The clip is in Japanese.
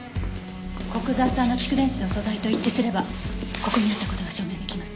古久沢さんの蓄電池の素材と一致すればここにあった事が証明できます。